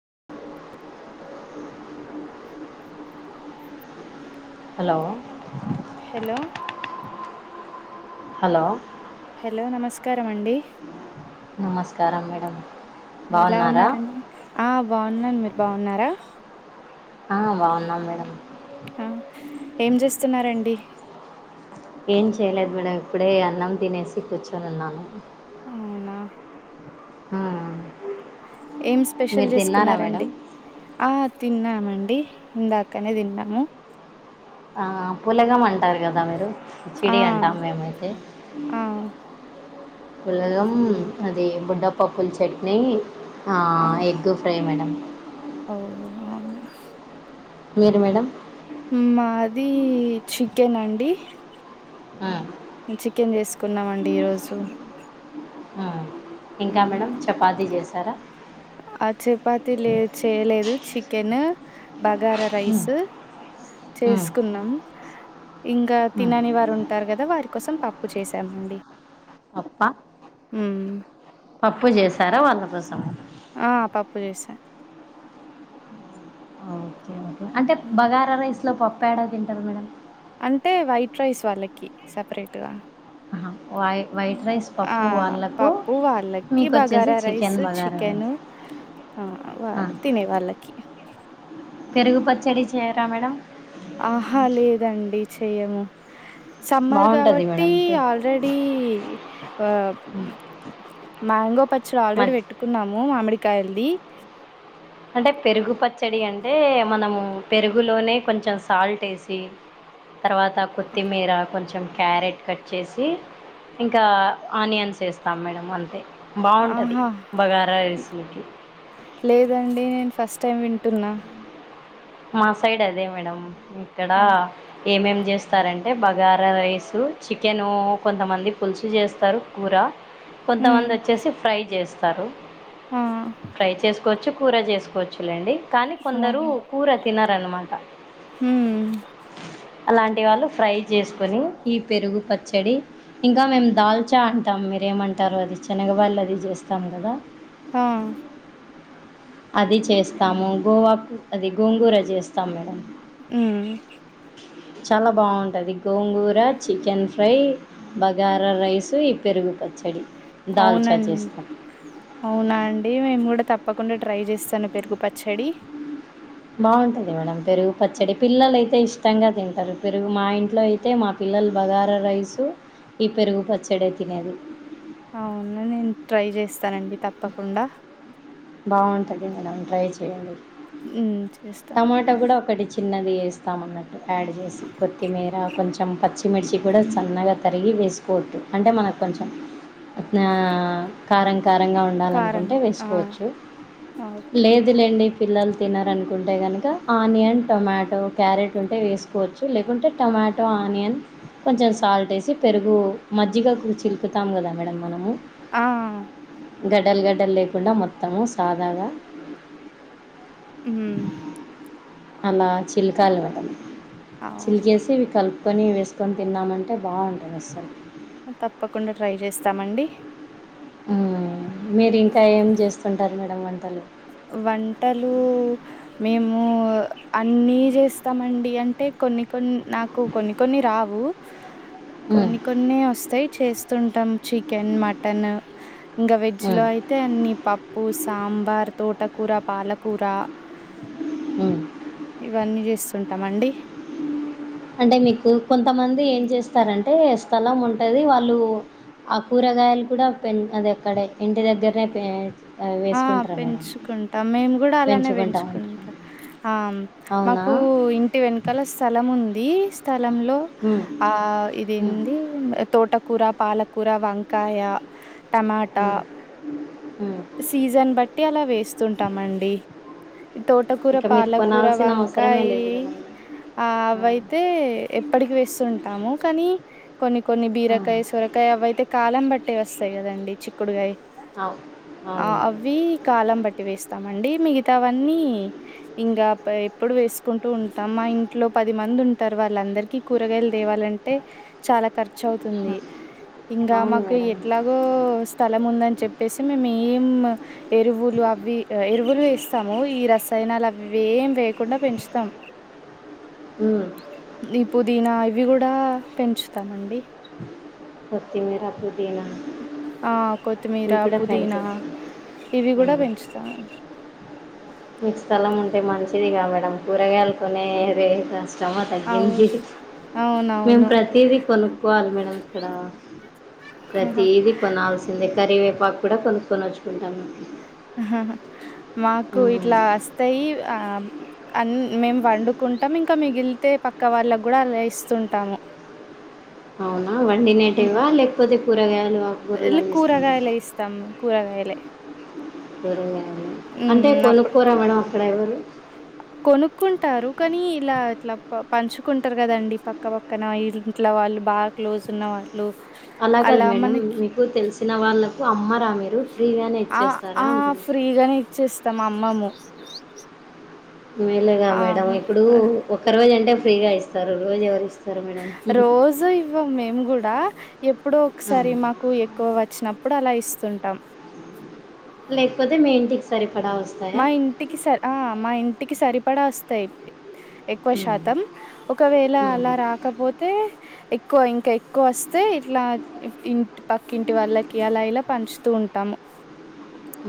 [inaudible] Hello hello hello hello నమస్కారం అండి నమస్కారం మేడమ్ ఎలా ఉన్నారండి ఆ బాగున్నాను మీరు బాగున్నారా ఆ బాగున్నాం మేడం ఆ ఏం చేస్తున్నారంండి ఏం చేయలేదు మేడం ఇప్పుడే అన్నం తినేసి కూర్చొని ఉన్నాను అవునా ఆ ఏం స్పెషల్ మీరు తిన్నారా మేడం చేసుకున్నారండి ఆ తిన్నామండి ఇందాకనే తిన్నాము ఆ పులగమంటారు కదా మీరు ఆ చిడి అంటామ్ మేమయ్ తే ఆ పులగం అది బుడ్డపప్పు ల్ చట్నీ ఆ ఎగ్గు ఫ్రై మేడం అ ఔనా మే మీర్ మేడం మాది చికెనండి ఆ చికెన్ జేసుకున్నామండి ఈరోజు ఆ ఇంకా మ్మ్. మేడం చపాతీ జేసారా ఆ చపాతి లేద్ చేయ్ లేదు చికెను బగారా ఉమ్ రైస్ ఉమ్ చేసుకున్నాం ఇంకా ఉమ్ తినని వార్ ఉం టారు కదా వారి కోసం పప్పు చేసామండి పప్పా హ్మ్ పప్పు జేసారా వాళ్ళ కోసం ఆ పప్పు జేసా ఓకే. ఓకే. అంటే బగారా రైస్ లో పప్ యాడ తింటరు మేడం అంటే వైట్ రైస్ వాళ్ళకి సపరేట్ గా వై వైట్ రైస్ ఆ పప్పు వాళ్ళకు పప్పు వాళ్ళకి మీకోచ్చేసి bagara rice chicken bagara chicken rice ఆ వా ఆ! తినే వాళ్ళకి పెరుగు పచ్చడి చేయరా మేడం ఆ లేదండి చెయ్యము సమ్మర్ బావుంటది గాబట్టి మేడం. పె ఆల్రెడీ వా హ్మ్. ఉ మ్యాంగో పచ్చడ్ ఆల్రెడీ మజ్ వేట్టుకున్నాము మామిడికాయ్ ల్ది అంటే పెరుగు పచ్చడి అంటే మనము పెరుగులోనే కొంచెం సాల్ట్ యేసి తరవాత కొత్తిమీర కొంచమ్ క్యారెట్ కట్ చేసి ఇంకా ఆనియన్స్ వేస్తాం మేడం అంతే బాఉంటది ఆహా బగారా రైస్ లకి ఫస్టైమ్ వింటున్నా మా సైడ్ అదే మేడం ఇక్కడ ఆ! ఏమేమ్ జేస్తారంటే బగారా రైసు చికెను కొంతమంది పులుసు జేస్తారు కూర హ్మ్ కొంతమంది వచ్చేసి ఫ్రై చేస్తారు ఆ ఫ్రై చేసుకోచ్చు కూర చేసుకో ర్చులేండి కానీ కొందరు కూర తినారనమాట ఉమ్మ్ అలాంటి వాళ్ళు ఫ్రై జేసుకోని ఈ పెరుగు పచ్చడి ఇంకా మేము దాల్చా అంటాము మీరేమంటారు అది శనగ వాళ్ళది చేస్తాం కదా ఆ అది చేస్తాము గోవాకు అది గోంగూర జేస్తము మేడం హుహుమ్ చాలా బాఉంటది గోంగూర చికెన్ ఫ్రై బగారా రైస్ ఈ పెరుగు పచ్చడి దాల్చా ఔనండ్ చేస్తాం ఔనా అండి మేమ్ గుడా తప్ ప్పకుండా ట్రై చేసన్ పెరుగు పచ్చడి బాఉంటది మేడం పెరుగు అ పచ్చడి పిల్లలయితే ఇస్ట్ తంగా తింటరు పెరుగు మా ఇంట్లో అయితే మా పిల్లలు బగారా రైసు ఈ పెరుగు పచ్చడే తినేది ఔనన్ నేన్ ట్రై చేస్తనండి తప్పకుండా బాగుంటది మేడం ట్రై చేయండి హ్మ్ చేస్తాం టమాటా గూడా ఒకటి చిన్నద్ వేయిస్తామన్నట్టు ఆడ్ చేసి కొత్తిమీరా కొంచ్ చం పచ్చిమిర్చి కూడా సన్నగా తరిగి వేసుకోవద్దు అంటే మనకు కొంచెం ఆ కారం కారంగా కారం ఉండాలనుకుంటే ఆ వేసుకోవచ్చు ఆ! ఓకే లేదులేండి పిల్లలు తినరునుకుంటే గనుక ఆనియన్, టొమాటో, క్యారెట్ ఉంటే వేసుకోవచ్చు లేకుంటే టమ టమాటో ఆనియన్ కొంచెం సాల్ట్ ఏసి పెరుగూ మజ్జిగకు చిలుకుతాము గదా మేడం మనము. ఆ గడ్డల్ గడ్డల్ లేకుండా మొత్తము సాదాగా హ్ము అలా చిలికాలి మేడం అవును చిలికేసీ ఇవి కల్ప్ కొనీ వేసుకొని తిన్నామంటే బాగుంటది అస్సల్ తప్పకుండా ట్రై చేస్తామండి. ఊ మీరింకా ఏం చేస్తుంటారు మేడం వంటలు. వంటలూ మేమూ అన్నీ చేస్తామండి అంటే కొన్ని కొన్ని నాకు కొన్ని కొన్ని రావూ మ్మ్. కొన్ని కొన్నే వస్తాయి చేస్త్ స్తుంటాం చికెన్, మటన ఇంకా వెజ్ లో మ్మ్. అయితే అన్ని పప్పు, సాంబ్ బార్, తోటకూర, పాలకూరా హ్మ్ ఇవన్నీ చేస్తుంటాంమండి అంటే మీకు కొంతమంది ఏం చేస్తారంటే స్థలం ఉంటది వాళ్ళూ ఆ కూరగాయలు కూడా పెం అదే అక్కడే ఇంటి దగ్గరనే పేంచ్ వేసుకుం ఆ పెంచుకుంటాం మేము కూడా అలానే పెంచుకుంటాం అంటారు. పెంచుకుంట ఆం అవునా మాకూ ఇంట్ టి వెనకాల స్థలం ఉందీ స్థలంలో హ్మ్ ఆ ఇది హ్మ్ ఏందీ తోట కూరా, పాలకూరా, వంకాయా ఊ ఊ సీజన్ బట్టి అలా వేస్తుంటామండి. ఈ తోటకూర, ఇక మీరు పాలకూర, కొనాల్సిన అవసరమే వంకాయీ లేదు కదా మేడం. ఆ అవయితే ఎప్పటికీ వేస్తుంటాము. కానీ కొన్ని కొన్ని ఆ! బీరకాయ్, సొరకాయ అవయితే కాలం బట్టే వస్తాయి కదండి చిక్కుడుగాయి. అవు ఆ అవును మేడం. అవ్వీ కాలం బట్టి వేస్త్ స్తామండి మిగతా వన్నీ ఇంగా ఎప్పుడు వేసుకుంటూ ఉంటాం మా ఇంట్లో పది మంద్ ది ఉంటారు వాళ్ళ అందరికి కూరగాయలు తేవాలంటే చాలా ఖర్చు అవుతుందీ ఇంగా అవును మాకు మేడం. ఎట్లాగో స్థలం ఉందని చెప్పేసి మేమి ఏమ్మ ఎరువులు అవి ఎరువులు ఏస్తాము ఈ రసాయనాలు అవ్వేం వేయ్ కుండా పెంచుతాం హ్మ్. ఈ పుదీనా ఇవ్వి గూడ్ డా పెంచుతామండి కొత్తిమీరా, పు ఆ కొత్తిమీరా, కూడా పుదీనా పెంచొచ్చు. ఇవి గూడా హ్మ్. పెంచుతా ఫిరిగా మేడం కూరగాయలుకొనే ది శ్రమ అవు తగ్గింది. మేము అవునవును ప్రతీదీ కొనుక్కోవాలి మేడం ఇక్కడా. ఆహా ప్రతీది కొనాల్సిందే కరివేపాక్కుడా కొనుక్కొనొచ్చుకుంటాం. మాకు ఇట్లా అస్తయీ ఆం అంద్ మేము వండుకుంటం ఇంక మిగిలితే పక్క వాళ్ళకి కూడా అలా ఇస్తుంటాము [inaudible] అవునా మ్మ్ వండినేటేవా లేకపోతే కూరగాయలు ఆకుకూరలు ఇలా అందిస్తుంటారా కూరగాయలే ఇస్తాం కూరగాయలు అంటే ఉమ్ అప్పుడు కొనుక్కోరా మేడం అక్కడ ఎవరు కొనుక్కుంటారు కానీ ఇలా ఇట్లా పంచుకుంటారు గదండి పక్క పక్కన ఇంట్లో వాళ్ళు బాగా క్లోజ్ ఉన్న వారు అలా కాదు మేడం మీకు తెలిసిన వాళ్ళకు అమ్మ రా మీరు ఫ్రీగానే ఆ ఇచ్చేస్తారా ఆ అంటున్న ఫ్రీగానే ఇచ్చేస్తాం అమ్మము మేలేగా మేడం ఇప్పుడూ ఆ ఒక్క రోజు అంటే ఫ్రీగా ఇస్తారు రోజు ఎవరు ఇస్తా రోజు ఇవ్వం మేము కూడా ఎప్పుడో ఒకసారి ఉమ్, మాకు ఎక్కువ వచ్చినప్ ప్పుడు అలా ఇస్తుంటాం లేకపోతే మీ ఇంటికి సరి మా ఇంటికి సర్ ఆ మా ఇంటికి సరిపడా వస్తాయి ఎక్కువ ఉమ్, శాతం ఒకవేళ ఉమ్, అలా రాకపోతే ఎక్కువ ఇంక ఎక్కువ వస్త్ వస్తే ఇట్లా ఇంట్ పక్కింటి వాళ్ళకి అలా ఇలా పంచుతూ ఉంటాము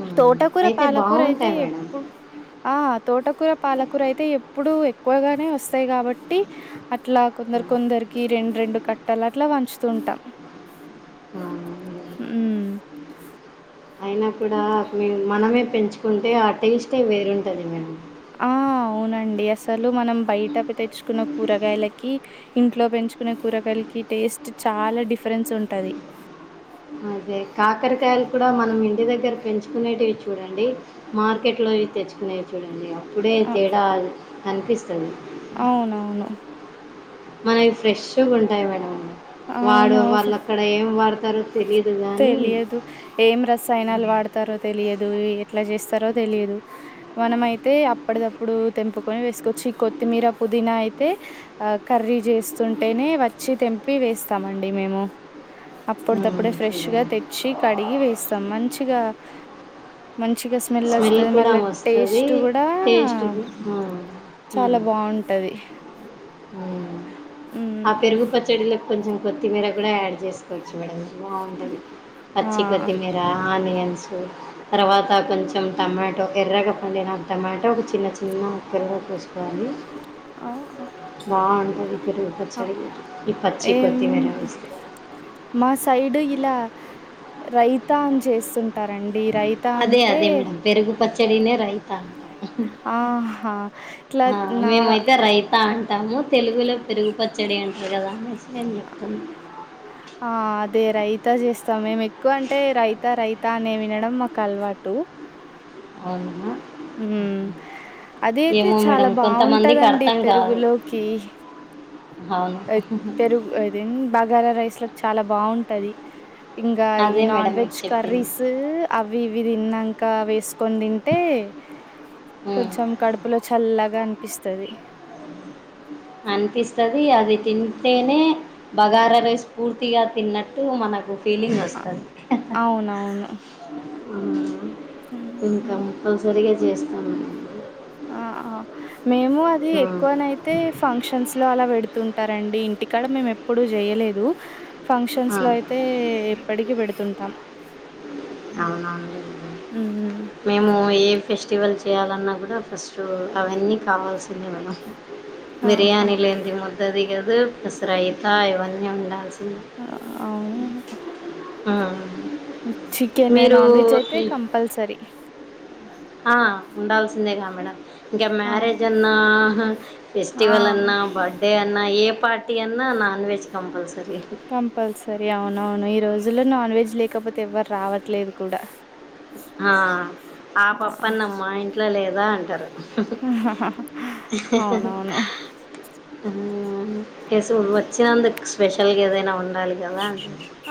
ఉమ్. తోటకూర అయితే పాలకూర అయితే బాగుంటాయి మేడం ఎప్పుడు ఆ తోటకూర పాల పాలకుర అయితే ఎప్పుడు ఎక్కువగానే వస్తాయి కాబట్టి అట్లా కొందరు ఉమ్. కొందరికి రెండు రెండు కట్టలు అట్లా పంచుతుంటాం ఉమ్, ఉమ్ అయినా కూడా మనమే పెంచుకుంటే ఆ టేస్టే వేరుంటుంది మేడమ్ ఆ అవునండి అసలు మనం బయట తెచ్చుకున్న కూరగాయలకి ఇంట్లో పెంచుకునే కూరగాయలు యాలకి టేస్ట్ చాలా డిఫరెన్స్ ఉంటది అదే కాకరకాయలు కూడా మనం ఇంట్ ఇంటి దగ్గర పెంచుకునేటివి చూడండి మార్కెట్ లోవి తెచ్చుకునేవి చూడండి ఒక ఇప్పుడే అ తేడా కనిపిస్తుంది అవునవును మనకి ఫ్రెష్గా ఉంటాయి మేడం వాడు అవును. ఫ వాళ్ళు అక్కడ ఏం వాడతారో తెలియదు కానీ తెలియదు ఏం రసానాలు వాడతారో తెలి తెలేయదు ఎట్ల చేస్తారో తెలిదు మనమైతే అప్పుదప్పుడు తెంపుకొని వేసుకోవచ్చు కొత్తిమీర పుదీనా అయితే కర్రీ చేస్తుంటేనే వచ్చి తెంపి వేస్తామండి మేము [unintelligible] అప్పుడిదప్పుడే ఉమ్, ఫ్రెష్ గా చూడండి తెచ్చి కడిగి వేస్తాం మంచిగా మంచిగా స్మెల్ వస్తుది కూడా మళ్ళా వస్తది. టేస్ట్ కూడా టేస్ట్ గు హ్మ్. చాలా హ్మ్. బాగుంటది ఆ మ్మ్ పెరుగు పచ్చడిలో కొంచెం కొత్తిమీర కూడా యాడ్ చేసుకోవచ్చు బాగుంటుంది ఆ పచ్చి కొత్తిమీర ఆనియన్స్ తర్వాత కొంచెం కొంచెం టమాటో ఎర్రగా పండిన టమాటో ఒక చిన్న చిన్న ముక్కలుగా కోసుకోవాలి ఆ, బాగుంటుంది ఈ పెరుగు ఆ, పచ్చడి ఈ పచ్చి ఏం కొత్తిమీర వేస్తే మా సైడు ఇలా రైతాన్ చేస్తుంటే అంటారండి రైత అదే అంటే అదే మేడం. పెరుగు పచ్చడినే రైత అంటము ఆహా ఇట్లా నా మేమైతే రైత అంట టాము తెలుగులో పెరుగుపచ్చడి అంటారు కదా అనేసి నేను చెప్తున్నా ఆ అదే రైతా చేస్తాం మేము ఎక్కువ అంటే రైత రైత తానే వినడం మాకు అలవాటు అవున హుమ్ అదయితే ఏమో మేడం చాలా కొంతమందికి బాగుంటదండి అర్థం కాదు పెరుగులోకి అవును పెరుగు అదిన్ బగారా రైస్ లోకి చాలా బాగుంటది ఇంకా ఈ అదే నాన్ మేడం మీకు వెజ్ చెప్పింది కర్రీస్ అవి ఇవి తిన్నంక వేసు కొని తింటే ఉమ్. కొంచెం కడుపులో చల్లగా అనిపిస్తది అవును అనిపిస్తది అది తింటేనే బగార రైస్ పూర్తిగా తిన్నట్టు మనకు ఫీలింగ్ అ వస్తది అవునా అవునవును హ్మ్. ఇం హ్మ్. కంపల్సరిగా చేస్తాను ఆ ఆ మేము అది ఉమ్, ఎక్కువనైతే ఫంక్షన్స్ ఇంట్లో అలా పెడుతుంటారండి ఇంటికాడ మేము ఎప్పుడు జేయలేదు ఫంక్షన్స్ ఆ, లో అయితే ఎప్పటికి పెడుతుంటాం అవున అండి హ్మ్. హ్మ్. మేము ఏ ఫెస్టివల్ చేయాలన్నా కూడా ఫస్ట్ అవన్నీ కావాల్సిందివి ఆహా బిర్యానీ లేంది ముద్ద దిగదు ప్లస్ రయిత ఇవన్ని ఉండల్సి అవును ఉమ్. చికెన్ మీరు నాన్ వెజ్ అయితే కంపల్సరీ ఆ ఉండాల్సిందేగా మేడం ఇంకా అవును మ్యారేజ్ అన్నా ఆ ఫెస్టివల్ అన్నా బర్డే అన్నా ఏ పార్టీ అన్నా నాన్ వెజ్ కంపల్సరీ కంపల్సరి అవునవును ఈరోజు రజులో నాన్ వెజ్ లేకపోతే ఎవ్వర్ రావట్లేదు కూడా ఆ ఆ పప్పన్నం మ ఇంట్లో లేదా అంటారు అవునవును ఎస్ వచ్చినందుకు స్పెషల్గ ఏదైనా ఉండ డాలిగదా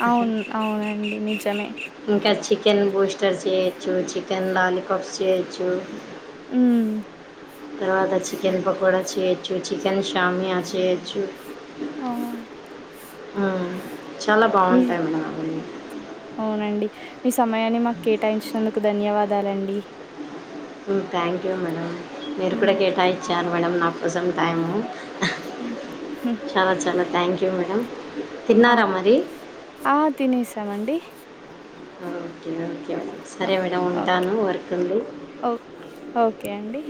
అవును అవునండి నిజమే ఇంకా చికెన్ బూస్టర్ చేయొచ్చు చికెన్ లాలీపప్స్ చేయొచ్చు ఉ తరువాత చికెన్ పకోడా చేయచ్చు చికెన్ సామియా చేయచ్చు ఆ ఆ చాలా మీ బాగుంటాయి మేడం అవన్నీ అవునండి మీ సమయాన్ని మాకు కేటాయించినందుకు ధన్యవాదాలండి థ్యాంక్ యూ మేడం మీరు కూడా హ్మ్. కేటాయించ్చారు మేడం నాకోసం టైము హ్మ్. హ్మ్. చాల చాల థ్యాంక్ యూ మ్యాడమ్ ఆ ఆ తినేసామండి ఓకే ఓకే మేడం ఓ సరే మేడం ఓకే ఉంటాను వర్క్ ఉంది ఓ ఓకే అండి